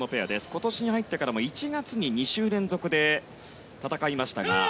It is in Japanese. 今年に入ってからも１月に２週連続で戦いましたが。